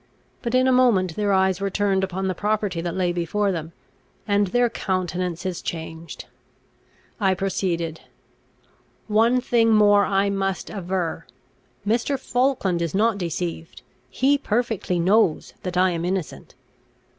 But in a moment their eyes were turned upon the property that lay before them, and their countenances changed. I proceeded: "One thing more I must aver; Mr. Falkland is not deceived; he perfectly knows that I am innocent."